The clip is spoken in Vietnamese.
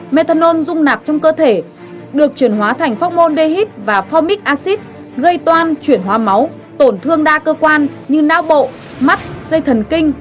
methanol rung nạp trong cơ thể được chuyển hóa thành phóc môn dehid và formic acid gây toan chuyển hóa máu tổn thương đa cơ quan như náo bộ mắt dây thần kinh